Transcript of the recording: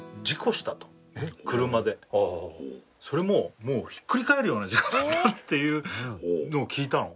それももうひっくり返るような事故だったっていうのを聞いたの。